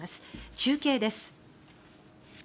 中継です。